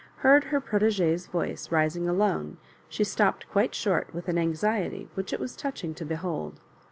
heard her proU g4e^8 voice rising alone, she stopped quite short with an anxiety which it was touching to be hold.